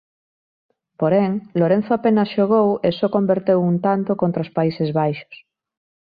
Porén Lorenzo apenas xogou e só converteu un tanto contra os Países Baixos.